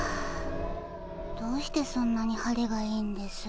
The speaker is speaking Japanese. どうしてそんなに晴れがいいんです？